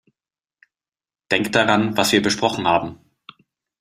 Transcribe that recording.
Denk daran, was wir besprochen haben!